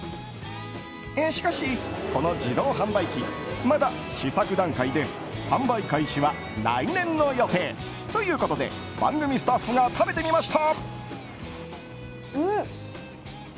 しかし、この自動販売機まだ試作段階で販売開始は来年の予定ということで番組スタッフが食べてみました。